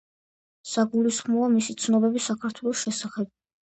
საგულისხმოა მისი ცნობები საქართველოს შესახებ.